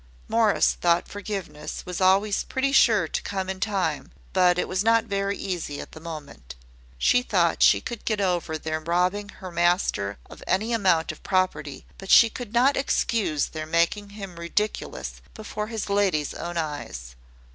Morris thought forgiveness was always pretty sure to come in time but it was not very easy at the moment. She thought she could get over their robbing her master of any amount of property; but she could not excuse their making him ridiculous before his lady's own eyes.